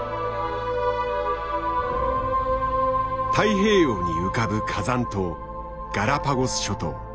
太平洋に浮かぶ火山島ガラパゴス諸島。